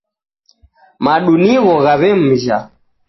Madu nigho ghawemja